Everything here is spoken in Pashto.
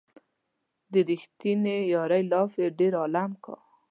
د ريښتينې يارۍ لاپې ډېر عالم کا